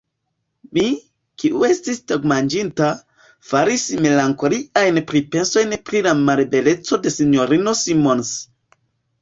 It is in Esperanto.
Mi, kiu estis tagmanĝinta, faris melankoliajn pripensojn pri la malbeleco de S-ino Simons.